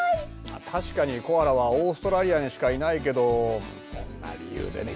確かにコアラはオーストラリアにしかいないけどそんな理由でね